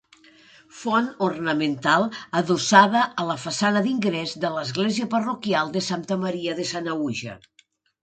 Font ornamental adossada a la façana d'ingrés de l'església parroquial de Santa Maria de Sanaüja.